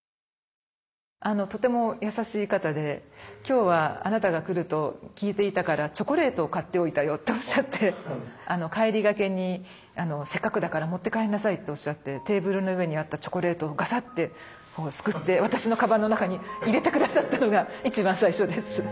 とても優しい方で今日はあなたが来ると聞いていたから帰りがけに「せっかくだから持って帰んなさい」っておっしゃってテーブルの上にあったチョコレートをガサッてすくって私のかばんの中に入れて下さったのが一番最初です。